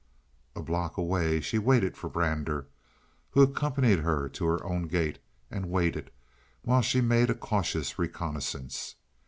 A block away she waited for Brander, who accompanied her to her own gate, and waited while she made a cautious reconnaissance.